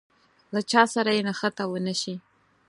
له چا سره يې نښته ونه شي.